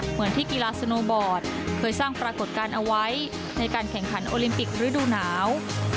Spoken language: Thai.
เหมือนที่กีฬาสโนบอร์ดเคยสร้างปรากฏการณ์เอาไว้ในการแข่งขันโอลิมปิกฤดูหนาว